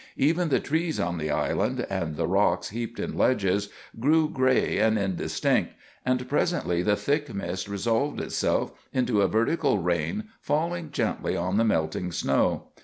Even the trees on the island, and the rocks heaped in ledges, grew gray and indistinct, and presently the thick mist resolved itself into a vertical rain falling gently on the melting snow.